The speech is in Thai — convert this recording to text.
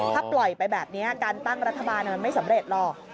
ถ้าปล่อยไปแบบนี้การตั้งรัฐบาลมันไม่สำเร็จหรอก